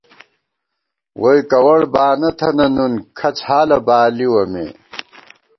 ووئی کوَڑ بانہ تھنہ نُن کھڅ حالہ بالِوَہ مے